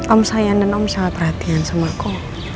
om sayang dan om sangat perhatian sama aku